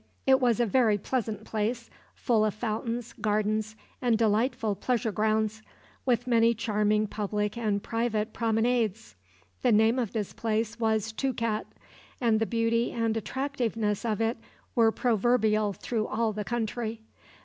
It was a very pleasant place, full of fountains, gardens, and delightful pleasure grounds, with many charming public and private promenades. The name of this place was Toukat, and the beauty and attractiveness of it were proverbial through all the country.